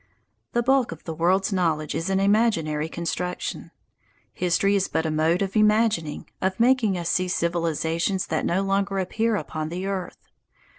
The bulk of the world's knowledge is an imaginary construction. History is but a mode of imagining, of making us see civilizations that no longer appear upon the earth.